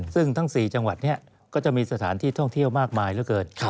ซึ่งทั้ง๔จังหวัดนี้ก็จะมีสถานที่ท่องเที่ยวมากมายเหลือเกิน